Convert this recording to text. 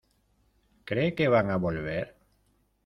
¿ cree que van a volver?